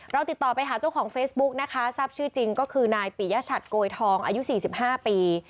เราติดต่อไปหาเจ้าของเฟซบุ๊กนะคะทราบชื่อจริงก็คือนายปิยชัดโกยทองอายุ๔๕ปี